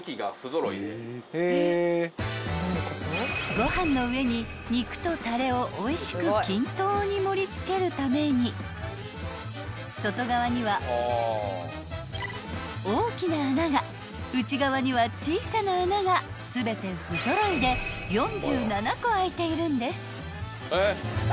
［ご飯の上に肉とたれをおいしく均等に盛り付けるために外側には大きな穴が内側には小さな穴が全て不揃いで４７個あいているんです］